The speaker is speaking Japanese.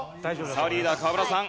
さあリーダー河村さん